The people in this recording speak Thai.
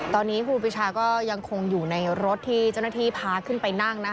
ตอนนี้ครูปีชาก็ยังคงอยู่ในรถที่เจ้าหน้าที่พาขึ้นไปนั่งนะคะ